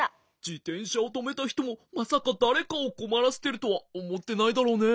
じてんしゃをとめたひともまさかだれかをこまらせてるとはおもってないだろうね。